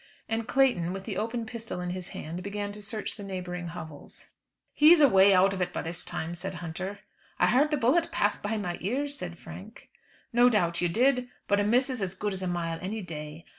And Clayton, with the open pistol in his hand, began to search the neighbouring hovels. "He's away out of that by this time," said Hunter. "I heard the bullet pass by my ears," said Frank. "No doubt you did, but a miss is as good as a mile any day.